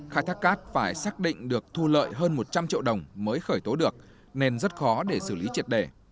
khai thác cát phải xác định được thu lợi hơn một trăm linh triệu đồng mới khởi tố được nên rất khó để xử lý triệt đề